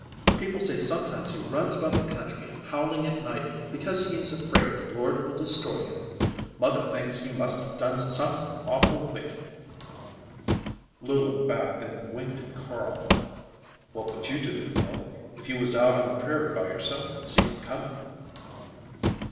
People say sometimes he runs about the country howling at night because he is afraid the Lord will destroy him. Mother thinks he must have done something awful wicked." Lou looked back and winked at Carl. "What would you do, Emil, if you was out on the prairie by yourself and seen him coming?"